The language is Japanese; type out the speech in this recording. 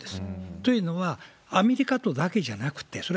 というのは、アメリカとだけじゃなくて、そりゃ